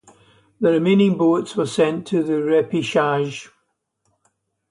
The remaining boats were sent to the repechage.